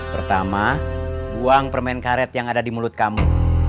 pertama buang permen karet yang ada di mulut kamu